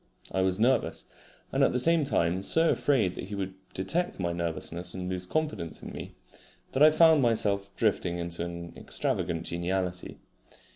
I was nervous, and at the same time so afraid that he should detect my nervousness and lose confidence in me, that I found myself drifting into an extravagant geniality.